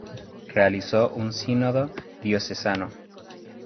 Realizó un sínodo diocesano.